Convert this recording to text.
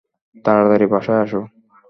তাড়াতাড়ি বাসায় আসো।